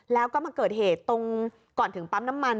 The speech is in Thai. แล้วก็มาเกิดเหตุตรงก่อนถึงปั๊มน้ำมัน